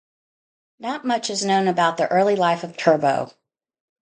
Not much is known about the early life of Turbo.